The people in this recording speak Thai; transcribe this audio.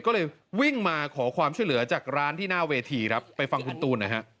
ก็เลยวิ่งมาขอความช่วยเหลือจากร้านที่หน้าเวทีครับไปฟังคุณตูนนะฮะ